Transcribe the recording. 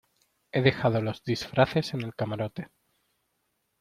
he dejado los disfraces en el camarote.